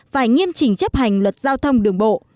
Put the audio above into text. phải nghiêm chỉnh chấp hành luật giao thông đường bộ